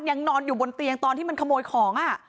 ยังนอนอยู่บนเตียงตอนที่มันขโมยของ